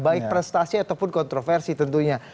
baik prestasi ataupun kontroversi tentunya